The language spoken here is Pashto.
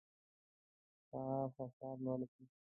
ستا فشار لوړ دی